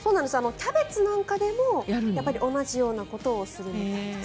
キャベツなんかでも同じようなことをするみたいです。